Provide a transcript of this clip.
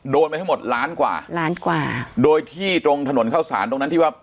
โดนไปทั้งหมดล้านกว่าล้านกว่าโดยที่ตรงถนนเข้าสารตรงนั้นที่ว่า